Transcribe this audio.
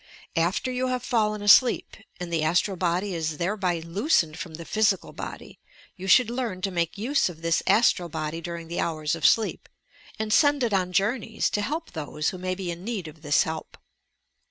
After you have fallen alseep, — and the astral body is thereby loosened from the physical body, you should learn to make use of this astral body during the hours of sleep, and send it on jonmeya, to help those who may be in need of this help.